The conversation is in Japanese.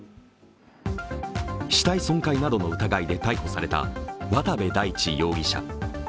死体損壊などの疑いで逮捕された渡部大地容疑者。